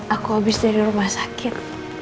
aku habis dari rumah sakit